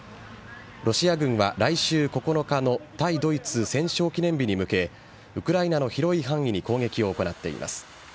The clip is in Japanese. ロシア軍は来週９日の対ドイツ戦勝記念日に向けウクライナの広い範囲に攻撃を行っています。